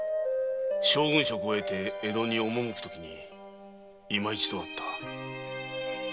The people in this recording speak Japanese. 将軍職を得て江戸に赴くとき今一度会った。